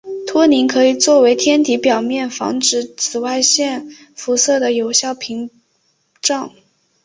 托林可以作为天体表面防止紫外线辐射的有效屏障。